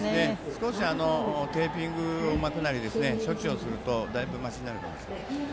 少しテーピングを巻くなり処置をすると、だいぶましになると思います。